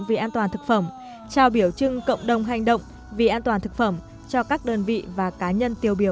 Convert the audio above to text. vì an toàn thực phẩm trao biểu trưng cộng đồng hành động vì an toàn thực phẩm cho các đơn vị và cá nhân tiêu biểu